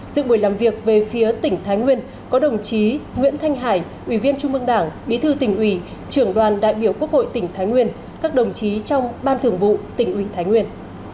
dự buổi làm việc về phía tỉnh thái nguyên có đồng chí nguyễn thanh hải ủy viên trung mương đảng bí thư tỉnh ủy trưởng đoàn đại biểu quốc hội tỉnh thái nguyên các đồng chí trong ban thường vụ tỉnh ủy thái nguyên